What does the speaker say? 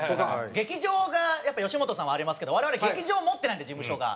劇場がやっぱり吉本さんはありますけど我々劇場を持ってないんで事務所が。